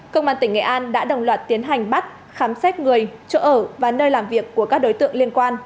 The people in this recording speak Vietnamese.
công an tỉnh nghệ an đã đồng loạt tiến hành bắt khám xét người chỗ ở và nơi làm việc của các đối tượng liên quan